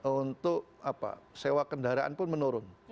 untuk sewa kendaraan pun menurun